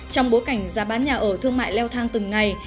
trong bối cảnh giá bán nhà ở thương mại leo thang từng ngày